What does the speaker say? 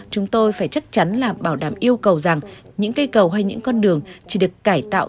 chúng tôi phải chắc chắn là bảo đảm yêu cầu rằng những cây cầu hay những con đường chỉ được cải tạo